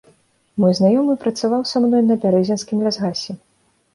Мой знаёмы працаваў са мной на бярэзінскім лясгасе.